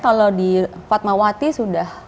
kalau di fatmawati sudah